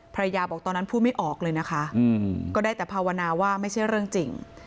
ภรรยาบอกตอนนั้นพูดไม่ออกเลยนะคะก็ได้แต่ภาวนาว่าไม่ใช่เรื่องจริง